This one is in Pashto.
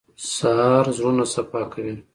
سهار د زړونو صفا کوي.